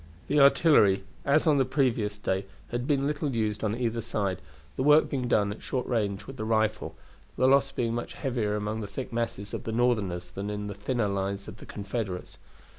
The artillery, as on the previous day, had been little used on either side, the work being done at short range with the rifle, the loss being much heavier among the thick masses of the Northerners than in the thinner lines of the Confederates.